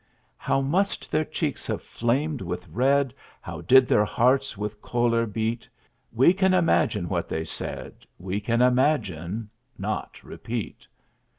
How must their cheeks have flamed with red How did their hearts with choler beat! We can imagine what they said We can imagine, not repeat!